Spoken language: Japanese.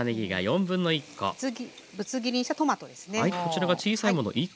ぶつ切りにしたトマトですね。